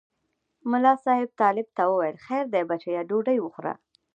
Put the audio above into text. ملا صاحب طالب ته وویل خیر دی بچیه ډوډۍ وخوره.